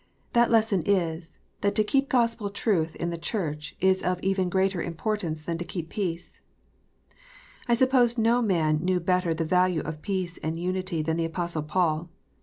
That lesson is, that to keep Gospel truth in tltc CJiurch is of even greater importance titan to keep peace. I suppose no man knew better the value of peace and unity than the Apostle Paul.